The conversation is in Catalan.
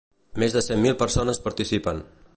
Més de cent mil persones participen.